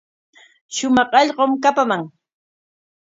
Shumaq allqum kapaman.